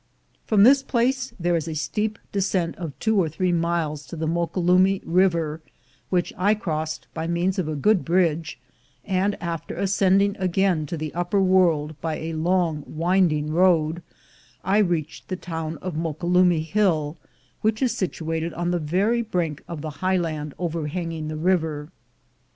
From this place there was a steep descent of two or three miles to the Moquelumne River, which I crossed by means of a good bridge, and, after ascend ing again to the upper world by a long winding road, I reached the town of Moquelumne Hill, which is situated on the very brink of the high land over hanging the river.